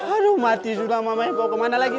aduh mati sudah mamae bawa kemana lagi nih